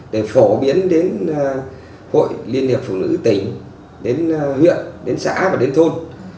để phổ biến đến hội liên hiệp phụ nữ tỉnh đến huyện đến xã và đến thôn